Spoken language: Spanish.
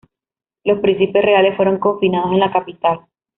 Los príncipes reales fueron confinados en la capital.